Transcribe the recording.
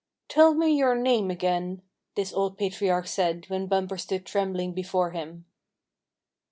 "Tell me your name again!" this old patriarch said when Bumper stood trembling before him.